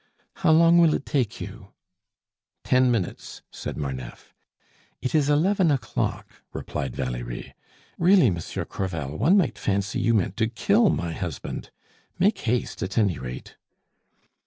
"How long will it take you?" "Ten minutes," said Marneffe. "It is eleven o'clock," replied Valerie. "Really, Monsieur Crevel, one might fancy you meant to kill my husband. Make haste, at any rate."